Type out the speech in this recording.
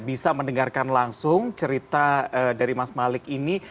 bisa mendengarkan langsung cerita dari mas malik ini